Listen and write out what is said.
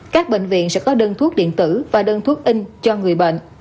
các bệnh viện sẽ có đơn thuốc điện tử và đơn thuốc in cho người bệnh